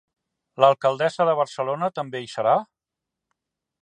L'alcaldessa de Barcelona també hi serà?